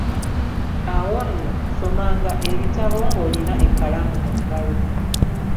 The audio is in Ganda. Awo nno somanga ebitabo ng'olina ekkalamu mu ngalo.